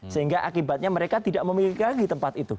sehingga akibatnya mereka tidak memiliki lagi tempat itu